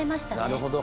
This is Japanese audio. なるほど。